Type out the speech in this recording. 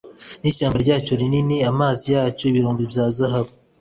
n'ishyamba ryayo rinini, amazi yacyo, ibirombe bya zahabu